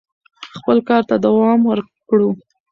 خپل کار ته دوام ورکړو.